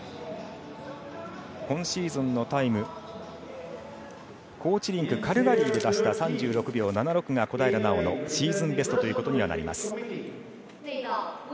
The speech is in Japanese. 今シーズンのタイム高地リンク、カルガリーで出した３６秒７６が小平奈緒のシーズンベストということにはなります。